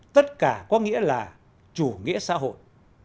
tất cả có nghĩa là chủ nghĩa xã hội